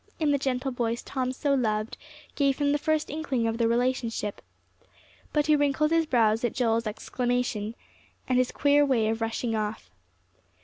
in the gentle voice Tom so loved, gave him the first inkling of the relationship. But he wrinkled his brows at Joel's exclamation, and his queer way of rushing off.